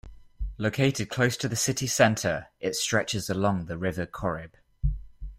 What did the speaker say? Located close to the city centre, it stretches along the River Corrib.